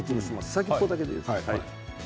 先っぽだけでいいです。